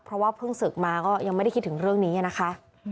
เพราะว่าเพิ่งศึกมาก็ยังไม่ได้คิดถึงเรื่องนี้นะคะ